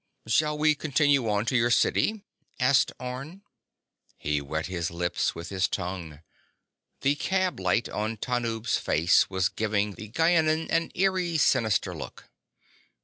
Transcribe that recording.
"Shall we continue on to your city?" asked Orne. He wet his lips with his tongue. The cab light on Tanub's face was giving the Gienahn an eerie sinister look.